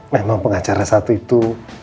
memang pengacara satu itu